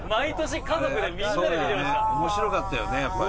面白かったよねやっぱりね。